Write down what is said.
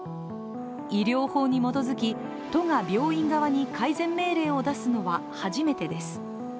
医療法に基づき、都が病院側に改善命令を出すのは初めてです。